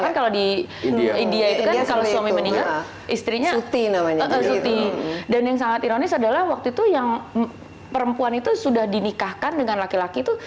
kan kalau di india itu kan kalau suami meninggal istrinya dan yang sangat ironis adalah waktu itu yang perempuan itu sudah dinikahkan dengan laki laki itu